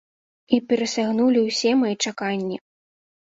І перасягнулі ўсе мае чаканні!